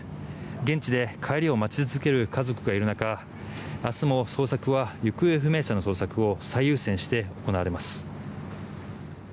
現地で帰りを待ち続ける家族がいる中明日も捜索も行方不明の捜索を最優先して行われます。